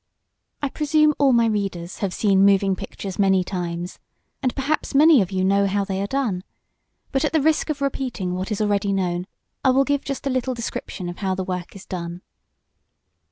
I presume all my readers have seen moving pictures many times, and perhaps many of you know how they are made. But at the risk of repeating what is already known I will give just a little description of how the work is done.